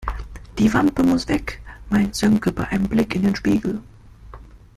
Die Wampe muss weg, meint Sönke bei einem Blick in den Spiegel.